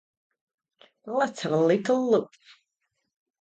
Let's have a little look.